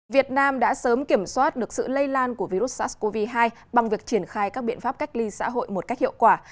việt nam đã sớm kiểm soát được sự lây lan của virus sars cov hai bằng việc triển khai các biện pháp cách ly xã hội một cách hiệu quả